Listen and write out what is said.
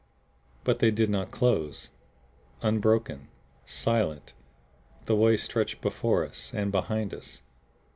But they did not close. Unbroken, silent, the way stretched before us and behind us.